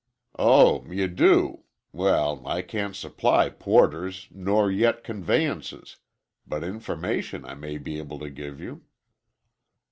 "Oh, you do! Well, I can't supply porters nor yet conveyances; but information I may be able to give you."